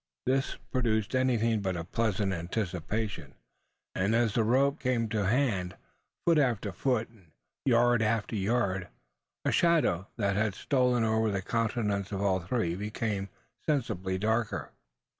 This produced anything but a pleasant anticipation; and as the rope came to hand, foot after foot, and yard after yard, a shadow, that had stolen over the countenances of all three, became sensibly darker.